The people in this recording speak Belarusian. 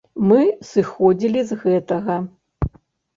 Мы сыходзілі з гэтага.